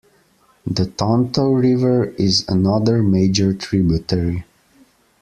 The Tonto River is another major tributary.